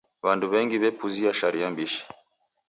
W'andu w'engi w'epuzia sharia mbishi.